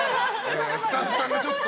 スタッフさんがちょっと。